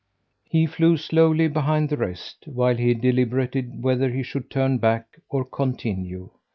He flew slowly behind the rest, while he deliberated whether he should turn back or continue.